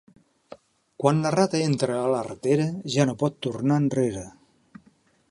Quan la rata entra a la ratera, ja no pot tornar enrere.